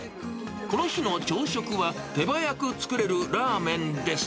この日の朝食は、手早く作れるラーメンです。